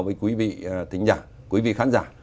với quý vị khán giả